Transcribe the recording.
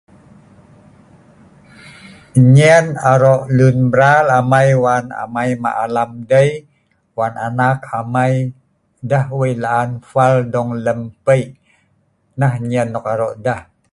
nyen arok lun mral amei wan amei ma alam dei wan anak amei deh weik la'an fal dong lem pei neh nyen nok arok deh